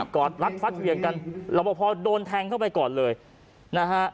อดรัดฟัดเหวี่ยงกันรับประพอโดนแทงเข้าไปก่อนเลยนะฮะ